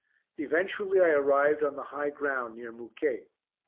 Eventually I arrived on the high ground near Mouquet.